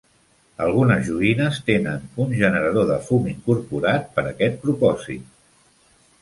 Algunes joguines tenen un generador de fum incorporat per aquest propòsit.